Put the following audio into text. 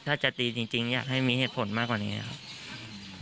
ถ้าจะตีจริงอยากให้มีเหตุผลมากกว่านี้ครับ